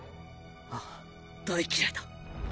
ああ大嫌いだ。